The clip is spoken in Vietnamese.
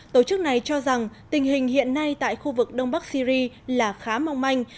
tổ chức này cho rằng tình hình hiện nay tại khu vực đông bắc syri là khá mong manh